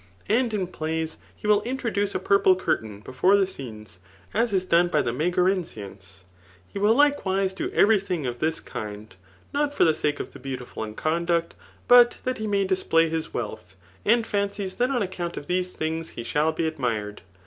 And in plays he will intro« duce a purple curtain before the scenes, ^ is done by die Megarensians. He will likewise do every thing of this kind, not for the sake of the beautiful in conduct, but that he may display his wealth, and fancies that on ac« count of these things he shall be admired.